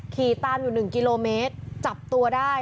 ขี่ตามอยู่๑กิโลเมตรจับตัวได้